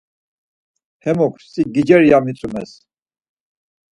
Hemuk 'Si gicer' ya mitzomes.